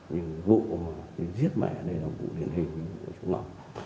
nhưng vụ giết mẹ này là vụ liên hình của chúng nó